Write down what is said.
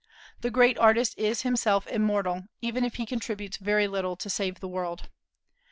The great artist is himself immortal, even if he contributes very little to save the world.